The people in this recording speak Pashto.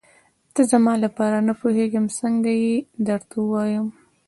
ته زما لپاره نه پوهېږم څنګه یې درته ووايم.